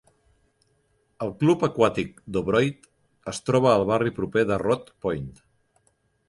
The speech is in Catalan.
El Club Aquàtic Dobroyd es troba al barri proper de Rodd Point.